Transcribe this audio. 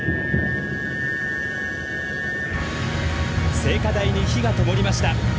聖火台に火がともりました。